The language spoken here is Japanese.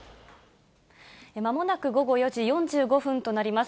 まもなく午後４時４５分となります。